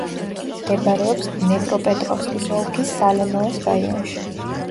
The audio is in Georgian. მდებარეობს დნეპროპეტროვსკის ოლქის სოლენოეს რაიონში.